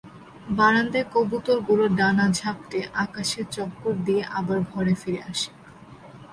বারান্দায় কবুতর গুলো ডানা ঝাপটে আকাশে চক্কর দিয়ে আবার ঘরে ফিরে আসে।